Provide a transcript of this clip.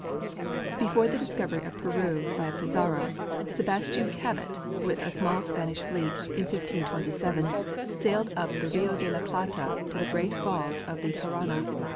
13 Before the discovery of Peru by Pizarro, Sebastian Cabot, with a small Spanish fleet, in 1527, sailed up the Rio de la Plata to the great falls of the Parana.